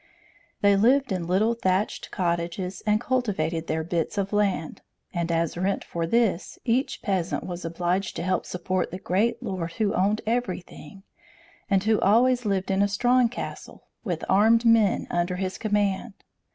They lived in little thatched cottages, and cultivated their bits of land; and as rent for this, each peasant was obliged to help support the great lord who owned everything, and who always lived in a strong castle, with armed men under his command.